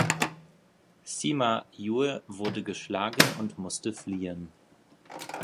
Sima Yue wurde geschlagen und musste fliehen.